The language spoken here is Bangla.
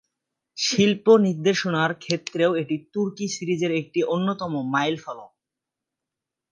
শিল্প নির্দেশনার ক্ষেত্রেও এটি তুর্কি সিরিজের একটি অন্যতম মাইলফলক।